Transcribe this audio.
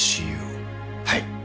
はい。